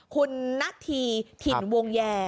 คุณนาธีถิ่นวงแยร์